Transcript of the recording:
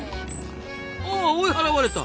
ああ追い払われた！